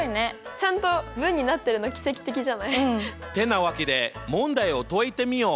ちゃんと文になってるの奇跡的じゃない？ってなわけで問題を解いてみよう。